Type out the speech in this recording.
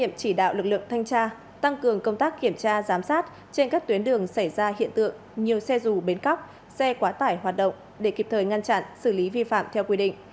đặc biệt chỉ đạo lực lượng thanh tra tăng cường công tác kiểm tra giám sát trên các tuyến đường xảy ra hiện tượng nhiều xe dù bến cóc xe quá tải hoạt động để kịp thời ngăn chặn xử lý vi phạm theo quy định